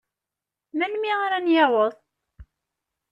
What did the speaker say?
Melmi ara n-yaweḍ?